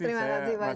terima kasih banyak